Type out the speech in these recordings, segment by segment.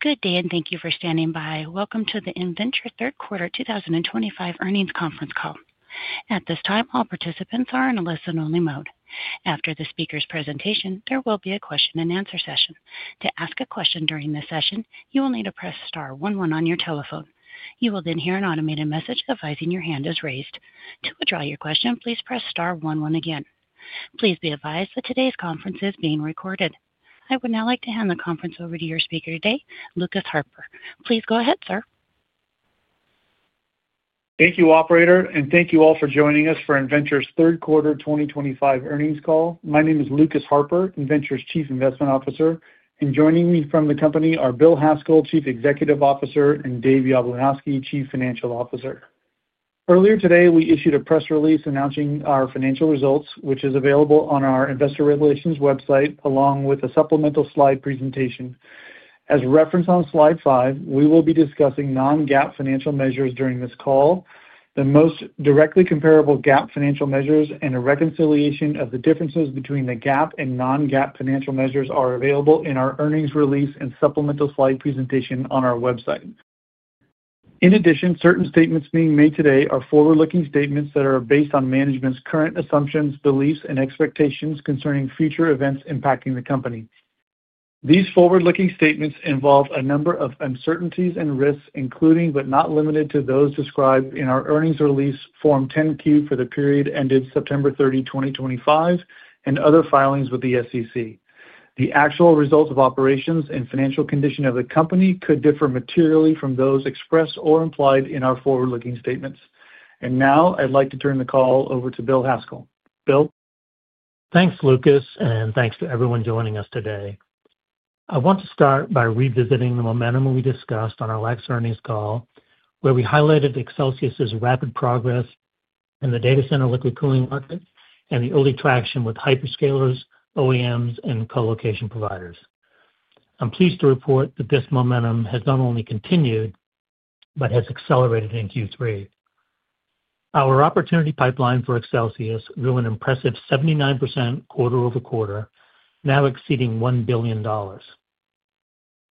Good day, and thank you for standing by. Welcome to the Innventure third quarter 2025 earnings conference call. At this time, all participants are in a listen-only mode. After the speaker's presentation, there will be a question-and-answer session. To ask a question during this session, you will need to press star 11 on your telephone. You will then hear an automated message advising your hand is raised. To withdraw your question, please press star 11 again. Please be advised that today's conference is being recorded. I would now like to hand the conference over to your speaker today, Lucas Harper. Please go ahead, sir. Thank you, operator, and thank you all for joining us for Innventure's third quarter 2025 earnings call. My name is Lucas Harper, Innventure's Chief Investment Officer, and joining me from the company are Bill Haskell, Chief Executive Officer, and Dave Yablunosky, Chief Financial Officer. Earlier today, we issued a press release announcing our financial results, which is available on our Investor Relations website along with a supplemental slide presentation. As referenced on slide five, we will be discussing non-GAAP financial measures during this call. The most directly comparable GAAP financial measures and a reconciliation of the differences between the GAAP and non-GAAP financial measures are available in our earnings release and supplemental slide presentation on our website. In addition, certain statements being made today are forward-looking statements that are based on management's current assumptions, beliefs, and expectations concerning future events impacting the company. These forward-looking statements involve a number of uncertainties and risks, including but not limited to those described in our earnings release Form 10-Q for the period ended September 30, 2025, and other filings with the SEC. The actual results of operations and financial condition of the company could differ materially from those expressed or implied in our forward-looking statements. I would like to turn the call over to Bill Haskell. Bill. Thanks, Lucas, and thanks to everyone joining us today. I want to start by revisiting the momentum we discussed on our last earnings call, where we highlighted Accelsius's rapid progress in the data center liquid cooling market and the early traction with hyperscalers, OEMs, and colocation providers. I'm pleased to report that this momentum has not only continued but has accelerated in Q3. Our opportunity pipeline for Accelsius grew an impressive 79% quarter-over-quarter, now exceeding $1 billion.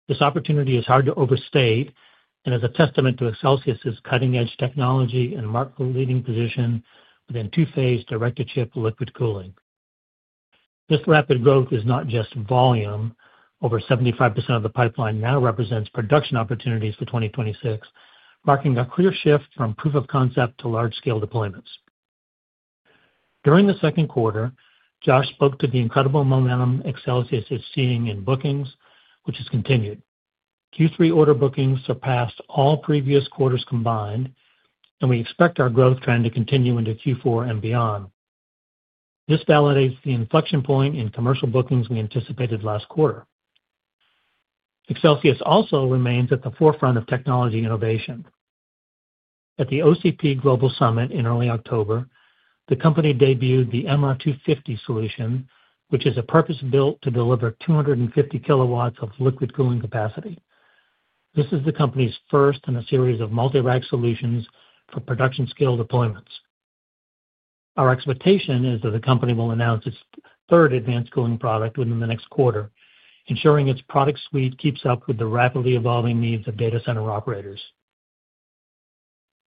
This opportunity is hard to overstate and is a testament to Accelsius's cutting-edge technology and market-leading position within two-phase direct-to-chip liquid cooling. This rapid growth is not just volume; over 75% of the pipeline now represents production opportunities for 2026, marking a clear shift from proof of concept to large-scale deployments. During the second quarter, Josh spoke to the incredible momentum Accelsius is seeing in bookings, which has continued. Q3 order bookings surpassed all previous quarters combined, and we expect our growth trend to continue into Q4 and beyond. This validates the inflection point in commercial bookings we anticipated last quarter. Accelsius also remains at the forefront of technology innovation. At the OCP Global Summit in early October, the company debuted the MR250 solution, which is purpose-built to deliver 250 kW of liquid cooling capacity. This is the company's first in a series of multi-rack solutions for production-scale deployments. Our expectation is that the company will announce its third advanced cooling product within the next quarter, ensuring its product suite keeps up with the rapidly evolving needs of data center operators.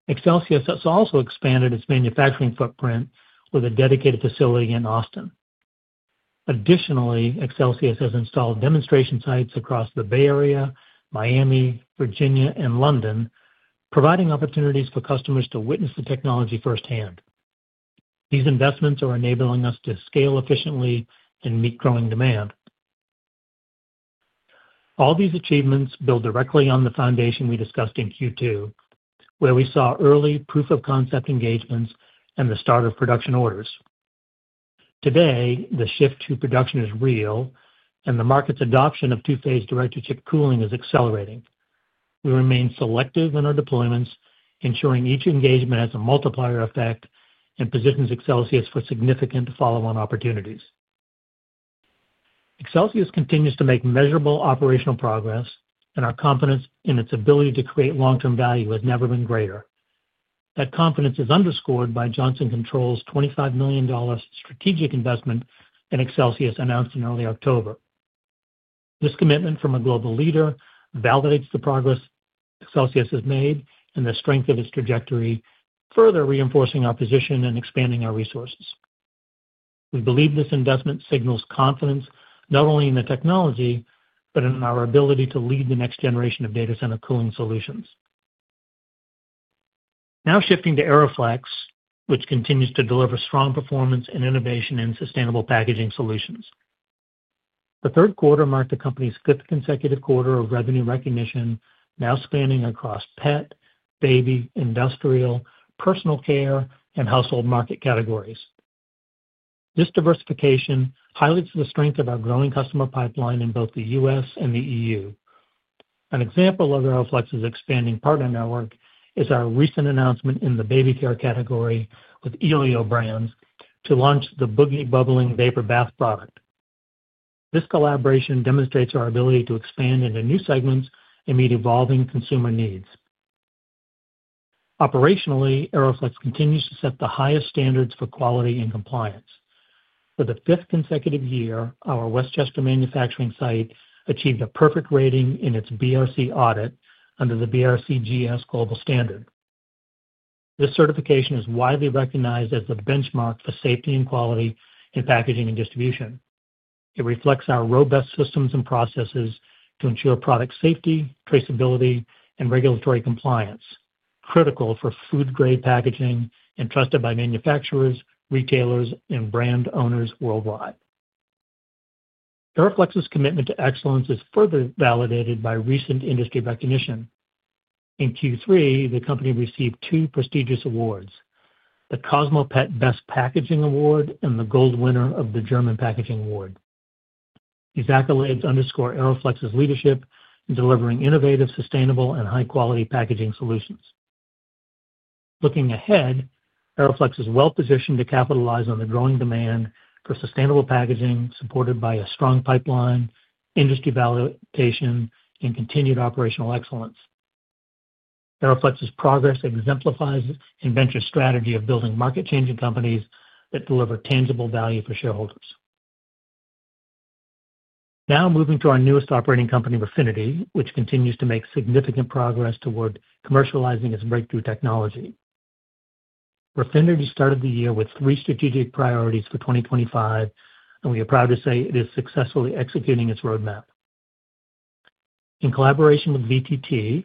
Accelsius has also expanded its manufacturing footprint with a dedicated facility in Austin. Additionally, Accelsius has installed demonstration sites across the Bay Area, Miami, Virginia, and London, providing opportunities for customers to witness the technology firsthand. These investments are enabling us to scale efficiently and meet growing demand. All these achievements build directly on the foundation we discussed in Q2, where we saw early proof of concept engagements and the start of production orders. Today, the shift to production is real, and the market's adoption of two-phase direct-to-chip cooling is accelerating. We remain selective in our deployments, ensuring each engagement has a multiplier effect and positions Accelsius for significant follow-on opportunities. Accelsius continues to make measurable operational progress, and our confidence in its ability to create long-term value has never been greater. That confidence is underscored by Johnson Controls' $25 million strategic investment in Accelsius announced in early October. This commitment from a global leader validates the progress Accelsius has made and the strength of its trajectory, further reinforcing our position and expanding our resources. We believe this investment signals confidence not only in the technology but in our ability to lead the next generation of data center cooling solutions. Now shifting to AeroFlexx, which continues to deliver strong performance and innovation in sustainable packaging solutions. The third quarter marked the company's fifth consecutive quarter of revenue recognition, now spanning across pet, baby, industrial, personal care, and household market categories. This diversification highlights the strength of our growing customer pipeline in both the U.S. and the E.U. An example of AeroFlexx's expanding partner network is our recent announcement in the baby care category with ĕleeo brands to launch the Boogie Bubbling Vapor Bath product. This collaboration demonstrates our ability to expand into new segments and meet evolving consumer needs. Operationally, AeroFlexx continues to set the highest standards for quality and compliance. For the fifth consecutive year, our Westchester manufacturing site achieved a perfect rating in its BRC audit under the BRCGS Global Standard. This certification is widely recognized as the benchmark for safety and quality in packaging and distribution. It reflects our robust systems and processes to ensure product safety, traceability, and regulatory compliance, critical for food-grade packaging entrusted by manufacturers, retailers, and brand owners worldwide. AeroFlexx's commitment to excellence is further validated by recent industry recognition. In Q3, the company received two prestigious awards: the CosmoPet Best Packaging Award and the Gold Winner of the German Packaging Award. These accolades underscore AeroFlexx's leadership in delivering innovative, sustainable, and high-quality packaging solutions. Looking ahead, AeroFlexx is well-positioned to capitalize on the growing demand for sustainable packaging supported by a strong pipeline, industry validation, and continued operational excellence. AeroFlexx's progress exemplifies Innventure's strategy of building market-changing companies that deliver tangible value for shareholders. Now moving to our newest operating company, Refinity, which continues to make significant progress toward commercializing its breakthrough technology. Refinity started the year with three strategic priorities for 2025, and we are proud to say it is successfully executing its roadmap. In collaboration with VTT,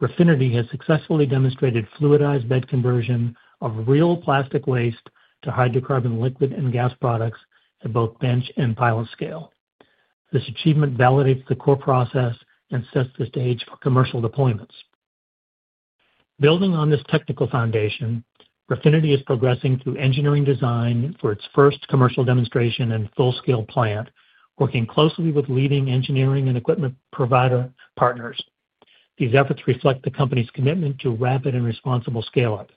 Refinity has successfully demonstrated fluidized bed conversion of real plastic waste to hydrocarbon liquid and gas products at both bench and pilot scale. This achievement validates the core process and sets the stage for commercial deployments. Building on this technical foundation, Refinity is progressing through engineering design for its first commercial demonstration and full-scale plant, working closely with leading engineering and equipment provider partners. These efforts reflect the company's commitment to rapid and responsible scale-up.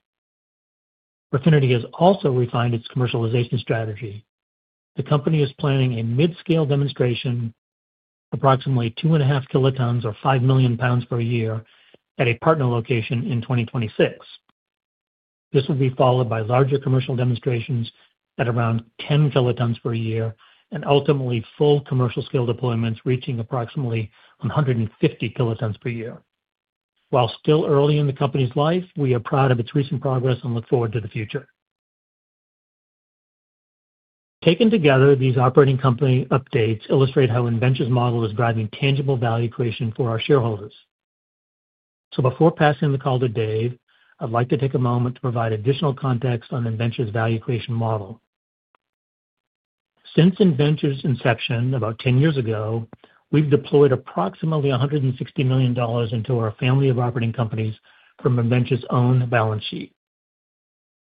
Refinity has also refined its commercialization strategy. The company is planning a mid-scale demonstration, approximately 2.5 kilotons or 5 million pounds per year, at a partner location in 2026. This will be followed by larger commercial demonstrations at around 10 kilotons per year and ultimately full commercial-scale deployments reaching approximately 150 kilotons per year. While still early in the company's life, we are proud of its recent progress and look forward to the future. Taken together, these operating company updates illustrate how Innventure's model is driving tangible value creation for our shareholders. Before passing the call to Dave, I'd like to take a moment to provide additional context on Innventure's value creation model. Since Innventure's inception about 10 years ago, we've deployed approximately $160 million into our family of operating companies from Innventure's own balance sheet.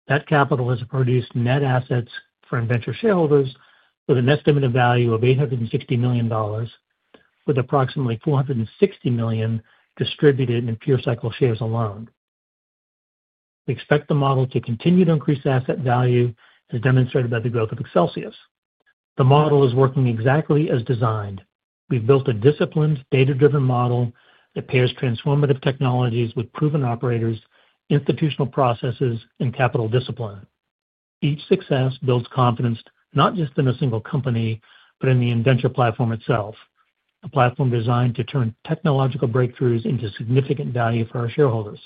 That capital has produced net assets for Innventure shareholders with an estimated value of $860 million, with approximately $460 million distributed in PureCycle shares alone. We expect the model to continue to increase asset value, as demonstrated by the growth of Accelsius. The model is working exactly as designed. We've built a disciplined, data-driven model that pairs transformative technologies with proven operators, institutional processes, and capital discipline. Each success builds confidence not just in a single company but in the Innventure platform itself, a platform designed to turn technological breakthroughs into significant value for our shareholders.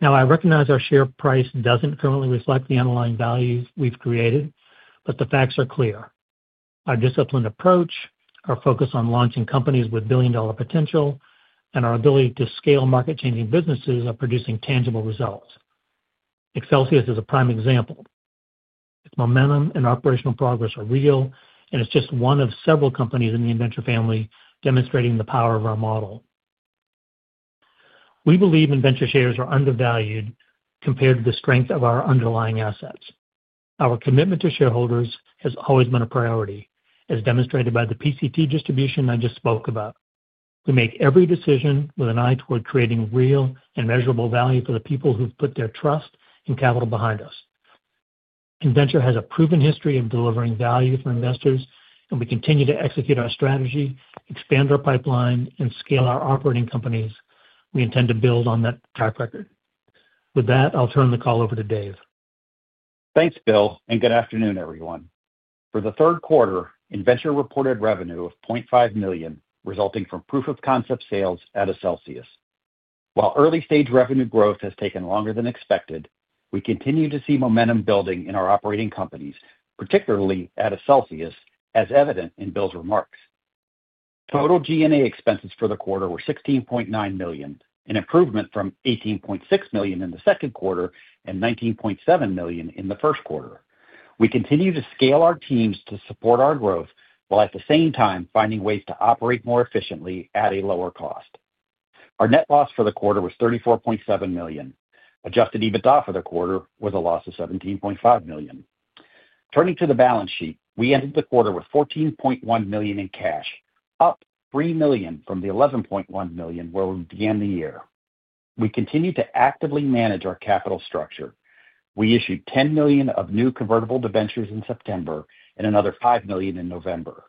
Now, I recognize our share price doesn't currently reflect the underlying value we've created, but the facts are clear. Our disciplined approach, our focus on launching companies with billion-dollar potential, and our ability to scale market-changing businesses are producing tangible results. Accelsius is a prime example. Its momentum and operational progress are real, and it's just one of several companies in the Innventure family demonstrating the power of our model. We believe Innventure shares are undervalued compared to the strength of our underlying assets. Our commitment to shareholders has always been a priority, as demonstrated by the PCT distribution I just spoke about. We make every decision with an eye toward creating real and measurable value for the people who've put their trust and capital behind us. Innventure has a proven history of delivering value for investors, and we continue to execute our strategy, expand our pipeline, and scale our operating companies. We intend to build on that track record. With that, I'll turn the call over to Dave. Thanks, Bill, and good afternoon, everyone. For the third quarter, Innventure reported revenue of $0.5 million resulting from proof of concept sales at Accelsius. While early-stage revenue growth has taken longer than expected, we continue to see momentum building in our operating companies, particularly at Accelsius, as evident in Bill's remarks. Total G&A expenses for the quarter were $16.9 million, an improvement from $18.6 million in the second quarter and $19.7 million in the first quarter. We continue to scale our teams to support our growth while at the same time finding ways to operate more efficiently at a lower cost. Our net loss for the quarter was $34.7 million. Adjusted EBITDA for the quarter was a loss of $17.5 million. Turning to the balance sheet, we ended the quarter with $14.1 million in cash, up $3 million from the $11.1 million where we began the year. We continue to actively manage our capital structure. We issued $10 million of new convertible debentures in September and another $5 million in November.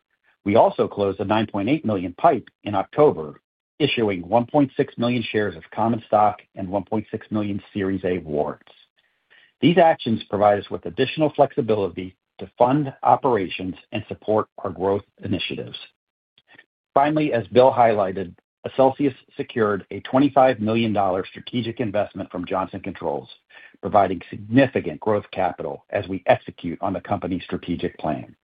We also closed a $9.8 million pipe in October, issuing 1.6 million shares of common stock and 1.6 million Series A warrants. These actions provide us with additional flexibility to fund operations and support our growth initiatives. Finally, as Bill highlighted, Accelsius secured a $25 million strategic investment from Johnson Controls, providing significant growth capital as we execute on the company's strategic plan.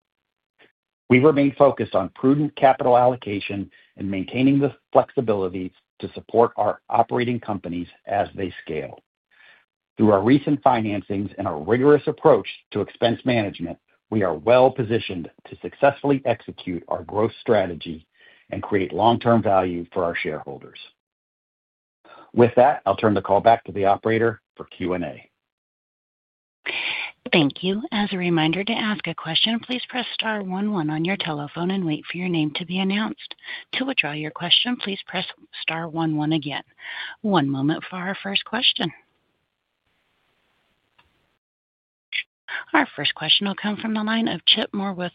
We remain focused on prudent capital allocation and maintaining the flexibility to support our operating companies as they scale. Through our recent financings and our rigorous approach to expense management, we are well-positioned to successfully execute our growth strategy and create long-term value for our shareholders. With that, I'll turn the call back to the operator for Q&A. Thank you. As a reminder to ask a question, please press star 11 on your telephone and wait for your name to be announced. To withdraw your question, please press star 11 again. One moment for our first question. Our first question will come from the line of Chip Moore with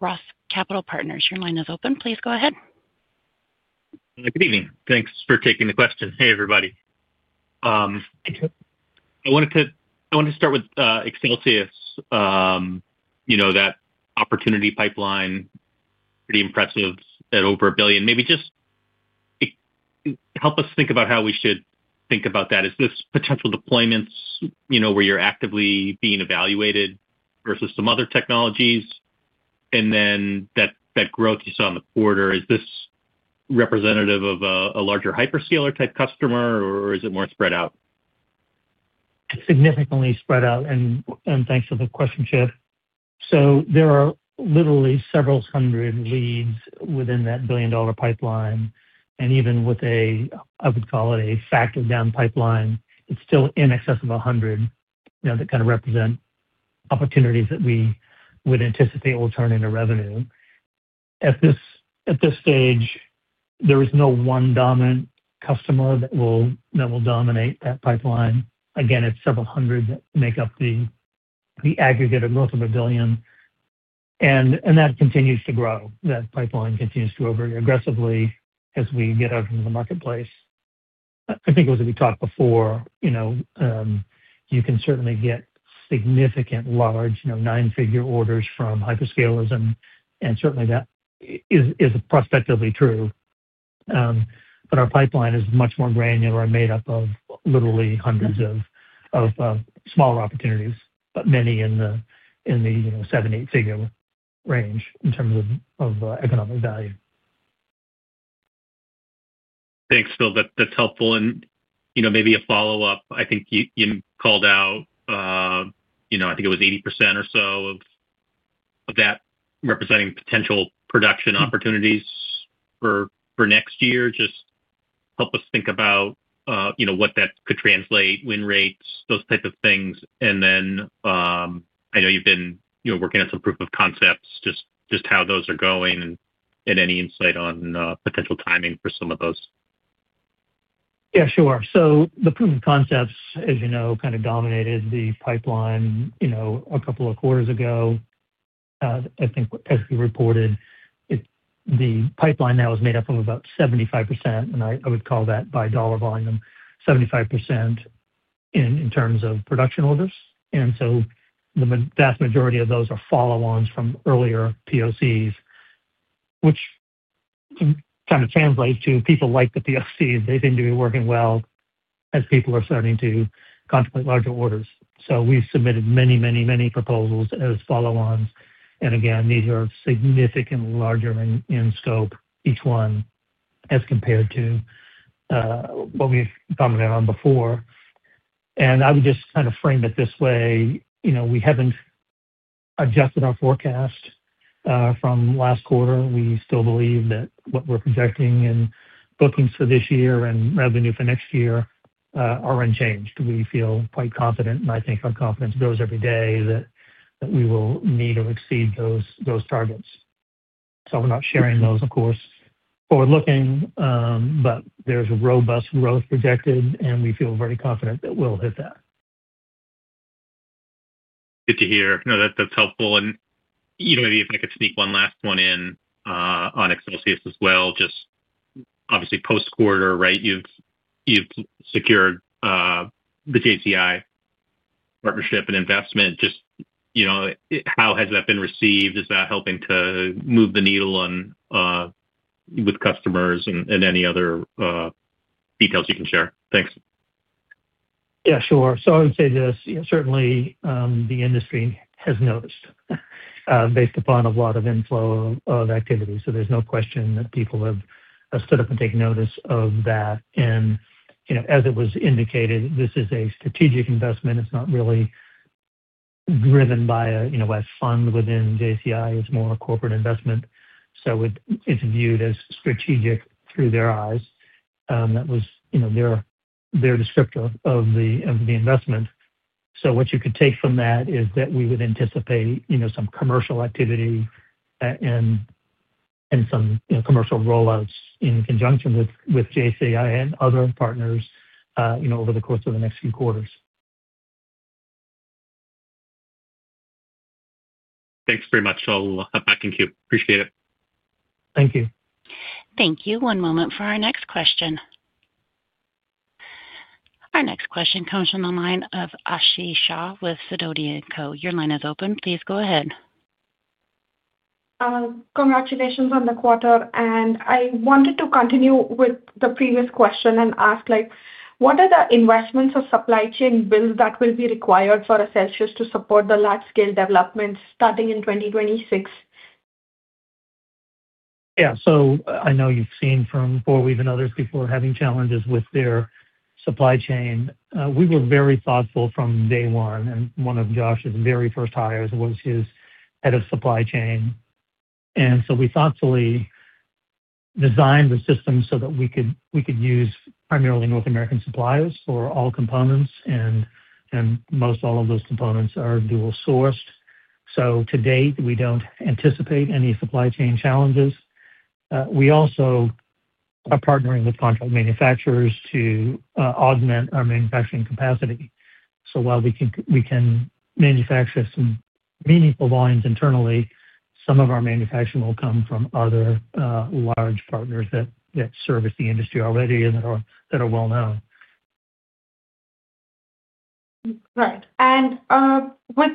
ROTH Capital Partners. Your line is open. Please go ahead. Good evening. Thanks for taking the question. Hey, everybody. I wanted to start with Accelsius, that opportunity pipeline, pretty impressive at over $1 billion. Maybe just help us think about how we should think about that. Is this potential deployments where you're actively being evaluated versus some other technologies? That growth you saw in the quarter, is this representative of a larger hyperscaler-type customer, or is it more spread out? It's significantly spread out, and thanks for the question, Chip. There are literally several hundred leads within that billion-dollar pipeline. Even with a, I would call it, a factored-down pipeline, it's still in excess of 100 that kind of represent opportunities that we would anticipate will turn into revenue. At this stage, there is no one dominant customer that will dominate that pipeline. Again, it's several hundred that make up the aggregate of north of a billion. That continues to grow. That pipeline continues to grow very aggressively as we get out into the marketplace. I think it was what we talked before. You can certainly get significant, large, nine-figure orders from hyperscalers, and certainly that is prospectively true. Our pipeline is much more granular and made up of literally hundreds of smaller opportunities, but many in the seven, eight-figure range in terms of economic value. Thanks, Bill. That's helpful. Maybe a follow-up. I think you called out, I think it was 80% or so of that representing potential production opportunities for next year. Just help us think about what that could translate, win rates, those types of things. I know you've been working on some proof of concepts, just how those are going and any insight on potential timing for some of those. Yeah, sure. The proof of concepts, as you know, kind of dominated the pipeline a couple of quarters ago, I think, as we reported. The pipeline now is made up of about 75%, and I would call that by dollar volume, 75% in terms of production orders. The vast majority of those are follow-ons from earlier POCs, which kind of translates to people like the POCs. They seem to be working well as people are starting to contemplate larger orders. We have submitted many, many, many proposals as follow-ons. These are significantly larger in scope, each one as compared to what we have commented on before. I would just kind of frame it this way. We have not adjusted our forecast from last quarter. We still believe that what we are projecting in bookings for this year and revenue for next year are unchanged. We feel quite confident, and I think our confidence grows every day that we will need to exceed those targets. We are not sharing those, of course, forward-looking, but there is robust growth projected, and we feel very confident that we will hit that. Good to hear. No, that's helpful. Maybe if I could sneak one last one in on Accelsius as well, just obviously post-quarter, right? You've secured the JCI partnership and investment. Just how has that been received? Is that helping to move the needle with customers and any other details you can share? Thanks. Yeah, sure. I would say this. Certainly, the industry has noticed based upon a lot of inflow of activity. There is no question that people have stood up and taken notice of that. As it was indicated, this is a strategic investment. It is not really driven by a fund within JCI. It is more a corporate investment. It is viewed as strategic through their eyes. That was their descriptor of the investment. What you could take from that is that we would anticipate some commercial activity and some commercial rollouts in conjunction with JCI and other partners over the course of the next few quarters. Thanks very much. I'll hop back in queue. Appreciate it. Thank you. Thank you. One moment for our next question. Our next question comes from the line of Aashi Shah with Sidoti & Co. Your line is open. Please go ahead. Congratulations on the quarter. I wanted to continue with the previous question and ask, what are the investments or supply chain builds that will be required for Accelsius to support the large-scale developments starting in 2026? Yeah. I know you've seen from before we've been others before having challenges with their supply chain. We were very thoughtful from day one. One of Josh's very first hires was his head of supply chain. We thoughtfully designed the system so that we could use primarily North American suppliers for all components. Most all of those components are dual-sourced. To date, we don't anticipate any supply chain challenges. We also are partnering with contract manufacturers to augment our manufacturing capacity. While we can manufacture some meaningful volumes internally, some of our manufacturing will come from other large partners that service the industry already and that are well-known. Right. With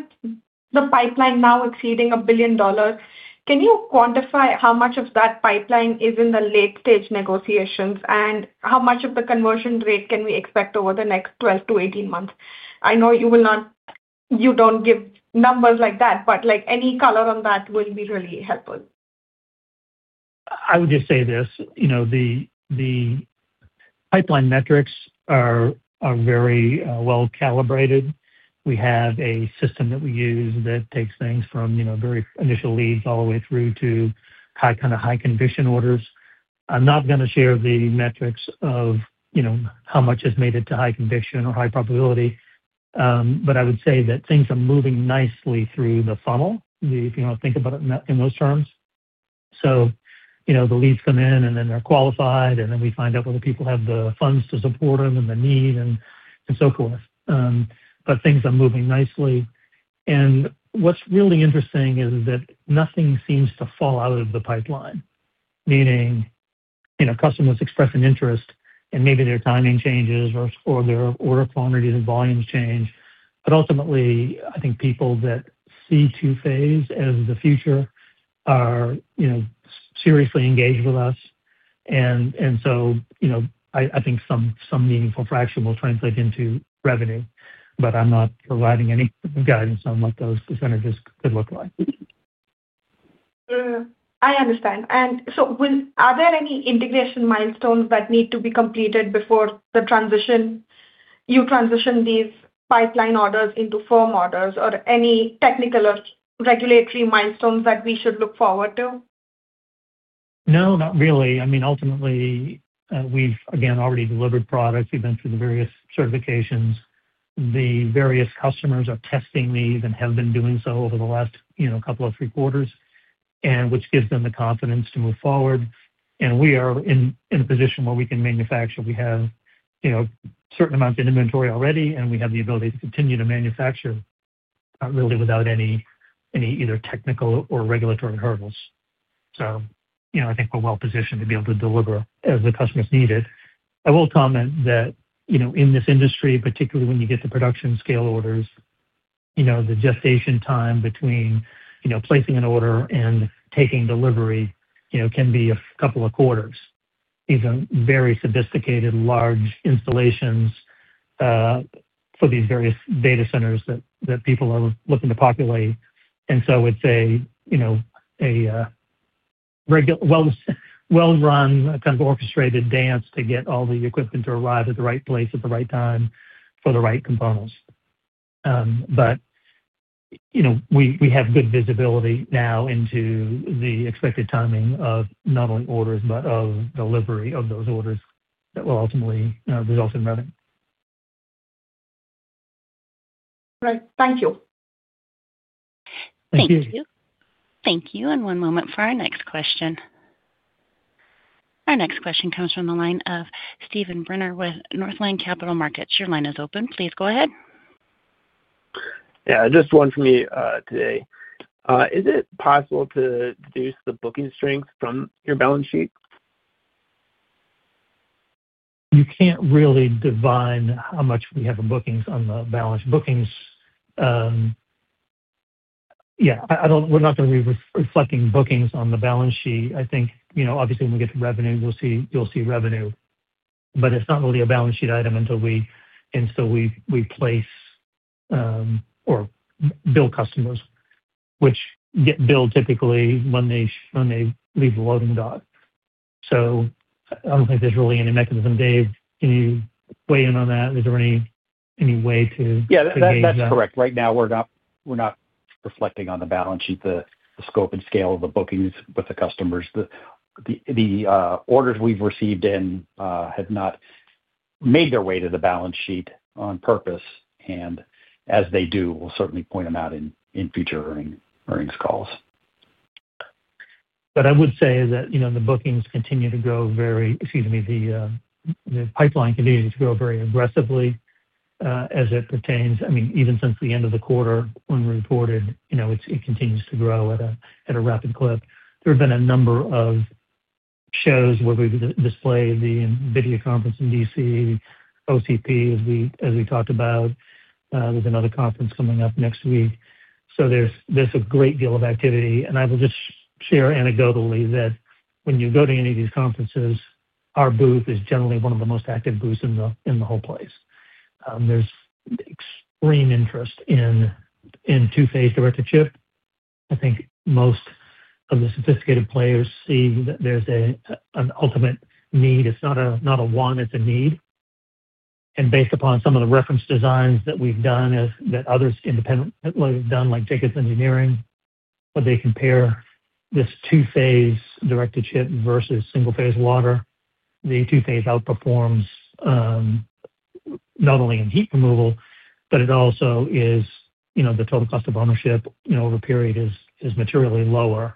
the pipeline now exceeding $1 billion, can you quantify how much of that pipeline is in the late-stage negotiations and how much of the conversion rate can we expect over the next 12-18 months? I know you do not give numbers like that, but any color on that will be really helpful. I would just say this. The pipeline metrics are very well calibrated. We have a system that we use that takes things from very initial leads all the way through to kind of high-conviction orders. I'm not going to share the metrics of how much has made it to high conviction or high probability, but I would say that things are moving nicely through the funnel if you think about it in those terms. The leads come in, and then they're qualified, and then we find out whether people have the funds to support them and the need and so forth. Things are moving nicely. What's really interesting is that nothing seems to fall out of the pipeline, meaning customers express an interest, and maybe their timing changes or their order quantities and volumes change. Ultimately, I think people that see two-phase as the future are seriously engaged with us. I think some meaningful fraction will translate into revenue, but I'm not providing any guidance on what those percentages could look like. I understand. Are there any integration milestones that need to be completed before you transition these pipeline orders into firm orders, or any technical or regulatory milestones that we should look forward to? No, not really. I mean, ultimately, we've, again, already delivered products. We've been through the various certifications. The various customers are testing these and have been doing so over the last couple of three quarters, which gives them the confidence to move forward. We are in a position where we can manufacture. We have a certain amount of inventory already, and we have the ability to continue to manufacture really without any either technical or regulatory hurdles. I think we're well-positioned to be able to deliver as the customers need it. I will comment that in this industry, particularly when you get to production-scale orders, the gestation time between placing an order and taking delivery can be a couple of quarters. These are very sophisticated, large installations for these various data centers that people are looking to populate. It is a well-run, kind of orchestrated dance to get all the equipment to arrive at the right place at the right time for the right components. We have good visibility now into the expected timing of not only orders but of delivery of those orders that will ultimately result in revenue. Great. Thank you. Thank you. Thank you. One moment for our next question. Our next question comes from the line of Steven Brunner with Northland Capital Markets. Your line is open. Please go ahead. Yeah. Just one for me today. Is it possible to deduce the booking strength from your balance sheet? You can't really divine how much we have of bookings on the balance sheet. Yeah. We're not going to be reflecting bookings on the balance sheet. I think, obviously, when we get to revenue, you'll see revenue. But it's not really a balance sheet item until we place or bill customers, which get billed typically when they leave the loading dock. I don't think there's really any mechanism. Dave, can you weigh in on that? Is there any way to? Yeah. That's correct. Right now, we're not reflecting on the balance sheet, the scope and scale of the bookings with the customers. The orders we've received in have not made their way to the balance sheet on purpose. As they do, we'll certainly point them out in future earnings calls. What I would say is that the bookings continue to grow very—excuse me, the pipeline continues to grow very aggressively as it pertains. I mean, even since the end of the quarter when we reported, it continues to grow at a rapid clip. There have been a number of shows where we've displayed, the video conference in Washington, D.C., OCP, as we talked about. There's another conference coming up next week. There is a great deal of activity. I will just share anecdotally that when you go to any of these conferences, our booth is generally one of the most active booths in the whole place. There is extreme interest in two-phase direct-to-chip. I think most of the sophisticated players see that there is an ultimate need. It's not a want. It's a need. Based upon some of the reference designs that we've done, that others independently have done, like Dickins Engineering, where they compare this two-phase direct-to-chip versus single-phase water, the two-phase outperforms not only in heat removal, but it also is the total cost of ownership over a period is materially lower.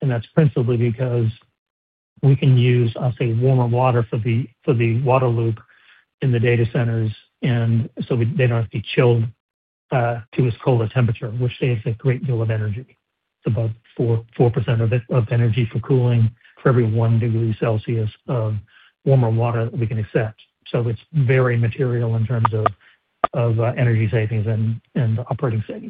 That's principally because we can use, I'll say, warmer water for the water loop in the data centers, and they don't have to be chilled to as cold a temperature, which saves a great deal of energy. It's about 4% of energy for cooling for every 1 degree Celsius of warmer water that we can accept. It is very material in terms of energy savings and operating savings.